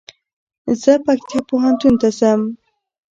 زه پکتيا پوهنتون ته ځم